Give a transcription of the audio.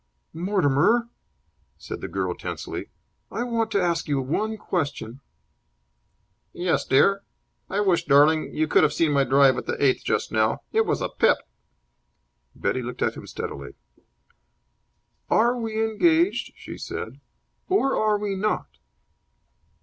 "Mortimer," said the girl, tensely, "I want to ask you one question." "Yes, dear? I wish, darling, you could have seen my drive at the eighth just now. It was a pip!" Betty looked at him steadily. "Are we engaged," she said, "or are we not?"